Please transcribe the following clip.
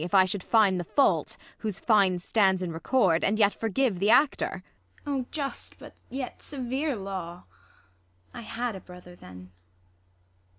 If I should fine the fault, whose fine stands in Record, and yet forgive the actor. IsAB. Oh just but yet severe law ! I had a brother then.